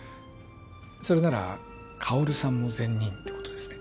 それなら薫さんも善人ってことですね